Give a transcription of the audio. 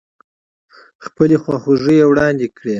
خپلې خواخوږۍ يې واړندې کړې.